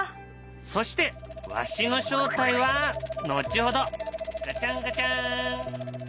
そしてわしの正体は後ほどガチャンガチャン。